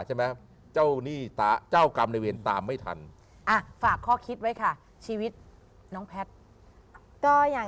เซ็บแล้วนี่วะที่จะเจ้านี่ตะเจ้ากรารเวียนตามไม่ทันอ่ะฝากคอคิดไว้ค่ะชีวิตน้องแพทย์